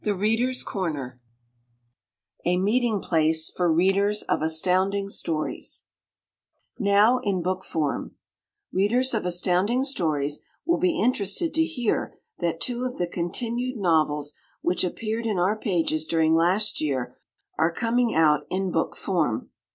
Readers' Corner [Illustration: Readers' Corner] Now In Book Form Readers of Astounding Stories will be interested to hear that two of the continued novels which appeared in our pages during last year are coming out in book form.